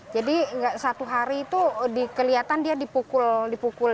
jadi satu hari tuh kelihatan dia dipukul